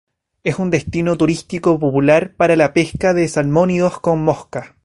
Es un destino turístico popular para la pesca de salmónidos con mosca.